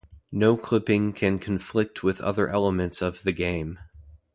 Noclipping can conflict with other elements of the game.